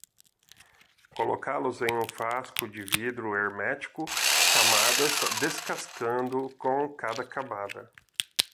Colocá-los em um frasco de vidro hermético, camadas, descascando com cada camada.